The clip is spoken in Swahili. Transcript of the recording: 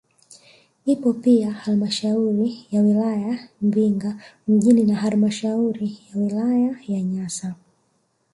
Ipo pia halmashauri ya wilaya Mbinga mjini na halmashauri ya wilaya ya Nyasa